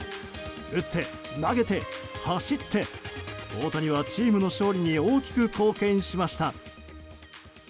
打って、投げて、走って大谷はチームの勝利に大きく貢献しました。